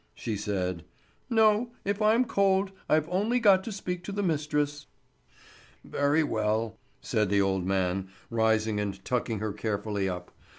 she said. "No; if I'm cold, I've only got to speak to the mistress." "Very well," said the old man, rising and tucking her carefully up.